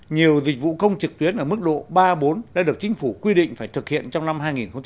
nhiều dịch vụ công trực tuyến ở mức độ ba bốn đã được chính phủ quy định phải thực hiện trong năm hai nghìn một mươi chín